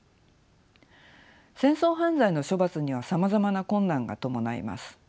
戦争犯罪の処罰にはさまざまな困難が伴います。